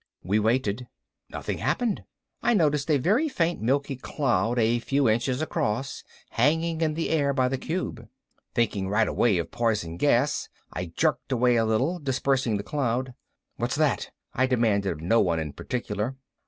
We waited. Nothing happened. I noticed a very faint milky cloud a few inches across hanging in the air by the cube. Thinking right away of poison gas, I jerked away a little, dispersing the cloud. "What's that?" I demanded of no one in particular.